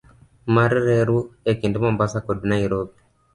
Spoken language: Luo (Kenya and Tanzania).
mar reru e kind Mombasa kod Nairobi